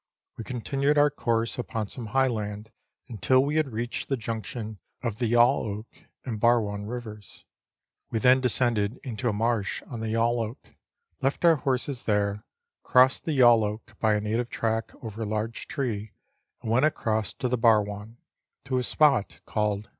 We continued our course upon some high land until we had reached the junction of the Yalloak and Barwon Rivers. We then descended into a marsh on the Yalloak, left our horses there, crossed the Yalloak by a native track over a large tree, and went across to the Barwon, to a spot called Letters from Victorian Pioneers.